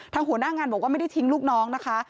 หัวหน้างานบอกว่าไม่ได้ทิ้งลูกน้องนะคะ